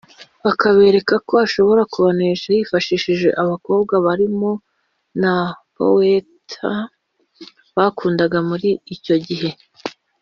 Pfla akabereka ko ashobora kubanesha yifashishije aba bakobwa barimo na Poeta bakundanaga muri icyo gihe